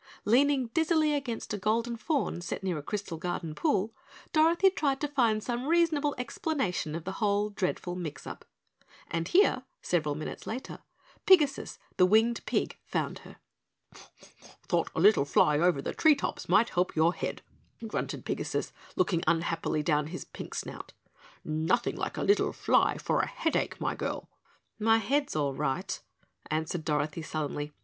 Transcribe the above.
Leaning dizzily against a golden faun set near a crystal garden pool, Dorothy tried to find some reasonable explanation of the whole dreadful mixup. And here, several minutes later, Pigasus, the winged Pig, found her. "Thought a little fly over the tree tops might help your head," grunted Pigasus, looking unhappily down his pink snout. "Nothing like a little fly for a headache, my girl!" "My head's all right," answered Dorothy sullenly.